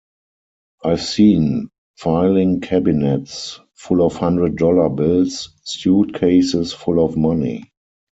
I've seen filing cabinets full of hundred-dollar bills, suitcases full of money...